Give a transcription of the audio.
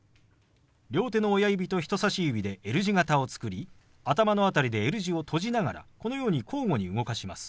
両手の親指と人さし指でＬ字型を作り頭の辺りでＬ字を閉じながらこのように交互に動かします。